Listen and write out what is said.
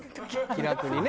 気楽にね。